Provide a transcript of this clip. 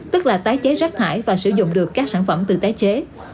tức là tái chế rác thải và sử dụng được các sản phẩm từ tái chế